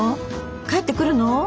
帰ってくるの？